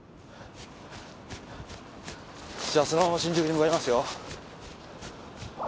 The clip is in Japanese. じゃあそのまま新宿に向かいますよ。